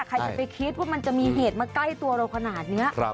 ใครจะไปคิดว่ามันจะมีเหตุมาใกล้ตัวเราขนาดนี้